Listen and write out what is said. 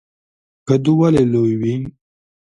کدو ولې لوی وي؟